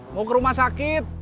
sampai jumpa lagi